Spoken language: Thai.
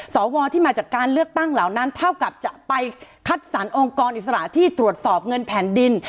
สวที่มาจากการเลือกตั้งเหล่านั้นเท่ากับจะไปคัดสรรองค์กรอิสระที่ตรวจสอบเงินแผ่นดิน